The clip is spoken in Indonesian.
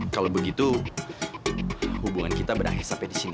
kalau begitu hubungan kita berakhir sampai di sini